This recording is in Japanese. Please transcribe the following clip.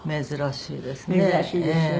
珍しいですよね。